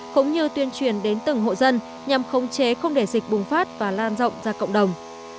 cũng như tuyên truyền đến từng hộ dân nhằm khống chế không để dịch bùng phát và lan rộng ra cộng đồng